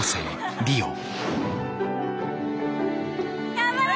頑張れ！